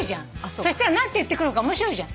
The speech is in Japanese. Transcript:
そしたら何て言ってくるか面白いじゃん。